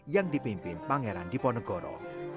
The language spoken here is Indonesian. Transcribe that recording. yang dipimpin pangeran diponegoro